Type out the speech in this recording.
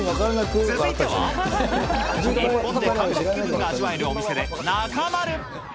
続いては、日本で韓国気分が味わえるお店でナカマる！